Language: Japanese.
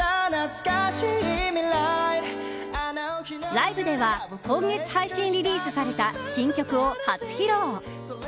ライブでは今月配信リリースされた新曲を初披露。